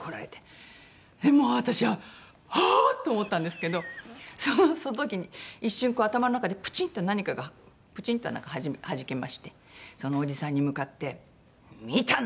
私ははあーっと思ったんですけどその時に一瞬頭の中でプチンと何かがプチンとはじけましてそのおじさんに向かって「見たんだよ！」